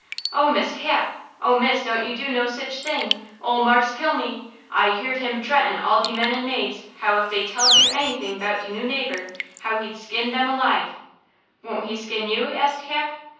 "Oh, Miss Cap! Oh, miss, don't you do no sich thing! Ole Marse kill me! I heerd him t'reaten all de men and maids how if dey telled you anything 'bout de new neighbor, how he'd skin dem alive!" "Won't he skin you?" asked Cap.